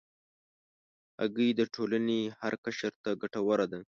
هګۍ د ټولنې هر قشر ته ګټوره ده.